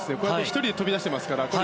１人で飛び出していますからね。